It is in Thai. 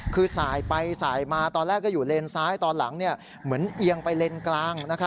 คือสายไปสายมาตอนแรกก็อยู่เลนซ้ายตอนหลังเหมือนเอียงไปเลนกลาง